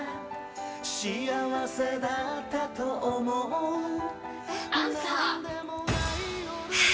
「幸せだったと思う」えっ？